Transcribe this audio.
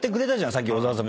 さっき小澤さん。